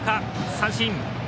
三振。